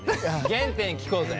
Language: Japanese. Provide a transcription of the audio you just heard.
原点聞こうぜ。